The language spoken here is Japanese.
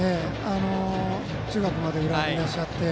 中学まで浦和にいらっしゃって。